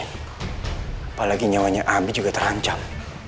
apalagi nyawanya abi juga terancam